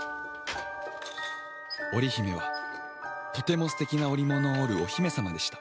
織姫はとても素敵な織物を織るお姫様でした。